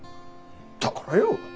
だからよ。